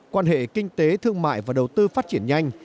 quan hệ kinh tế thương mại và đầu tư phát triển nhanh